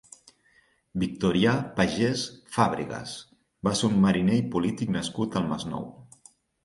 Victorià Pagès Fàbregas va ser un mariner i polític nascut al Masnou.